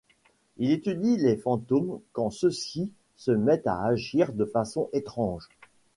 Il étudie les fantômes quand ceux-ci se mettent à agir de façon étrange.